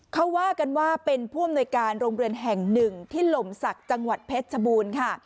เขาว่ากันว่าเป็นผู้อำนวยการโรงเรียนแห่งหนึ่งที่หล่มศักดิ์จังหวัดเพชรชบูรณ์ค่ะ